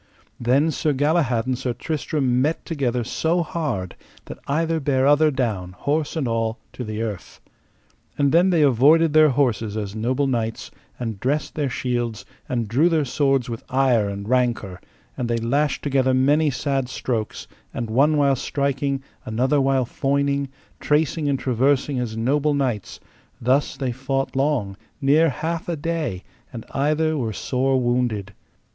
Then Sir Galahad and Sir Tristram met together so hard that either bare other down, horse and all, to the earth. And then they avoided their horses as noble knights, and dressed their shields, and drew their swords with ire and rancour, and they lashed together many sad strokes, and one while striking, another while foining, tracing and traversing as noble knights; thus they fought long, near half a day, and either were sore wounded.